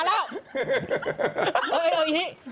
น่าเหรอ